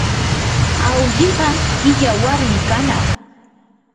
awlliqa qilla warmi kanaq.